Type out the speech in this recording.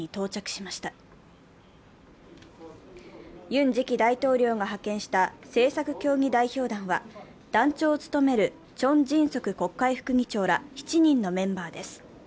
ユン次期大統領が派遣した政策協議代表団は、団長を務めるチョン・ジンソク国会副議長ら７人のメンバーです。